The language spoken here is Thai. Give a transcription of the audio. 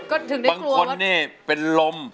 บางคนนี้เป็นลม